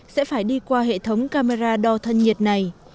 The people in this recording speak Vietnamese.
sẽ phải đi qua hệ thống camera đo thân nhiệt này